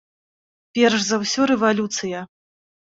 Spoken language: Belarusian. Перш за ўсё рэвалюцыя.